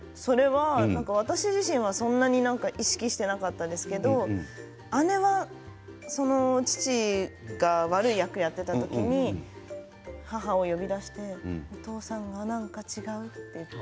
私自身そんなに意識してなかったんですけれど姉はいちばん悪い役をやっていた時に母を呼び出してお父さんが何か違うって。